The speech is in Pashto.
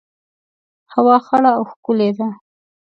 هوا خړه او ښکلي ده